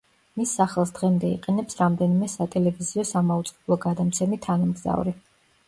მის სახელს დღემდე იყენებს რამდენიმე სატელევიზიო სამაუწყებლო გადამცემი თანამგზავრი.